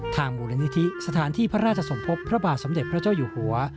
มูลนิธิสถานที่พระราชสมภพพระบาทสมเด็จพระเจ้าอยู่หัว